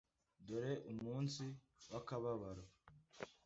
dore umunsi w’akababaro!